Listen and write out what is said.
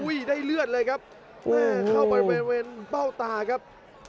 โอ้โหได้เลือดเลยครับแม่เข้าไปเป็นเบ้าตาครับ